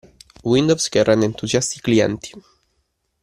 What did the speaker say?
Windows che rende entusiasti i clienti.